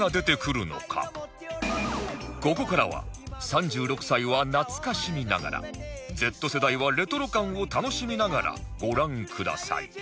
ここからは３６歳は懐かしみながら Ｚ 世代はレトロ感を楽しみながらご覧ください